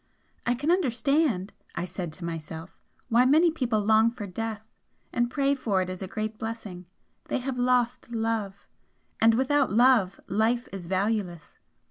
"I can understand" I said to myself "why many people long for death and pray for it as a great blessing! They have lost love and without love, life is valueless.